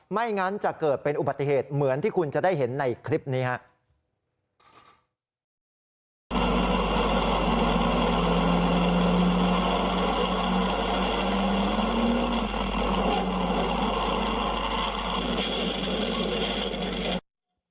ไม่งั้นจะเกิดเป็นอุบัติเหตุเหมือนที่คุณจะได้เห็นในคลิปนี้ครับ